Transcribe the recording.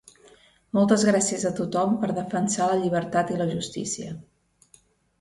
Moltes gràcies a tothom per defensar la llibertat i la justícia.